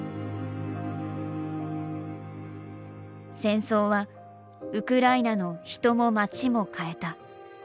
戦争はウクライナの人も街も変えた。